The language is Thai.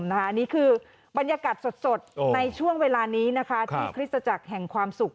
อันนี้คือบรรยากาศสดในช่วงเวลานี้นะคะที่คริสตจักรแห่งความสุข